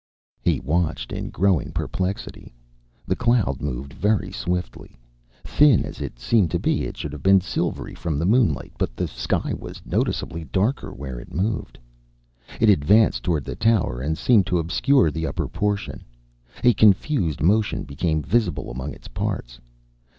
He watched in growing perplexity. The cloud moved very swiftly. Thin as it seemed to be, it should have been silvery from the moonlight, but the sky was noticeably darker where it moved. It advanced toward the tower and seemed to obscure the upper portion. A confused motion became visible among its parts.